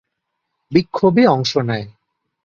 বিক্ষোভে অংশ নেয়।